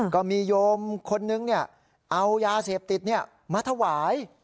ก็มีโยมคนนึงเนี่ยเอายาเสพติดเนี่ยมาถวาย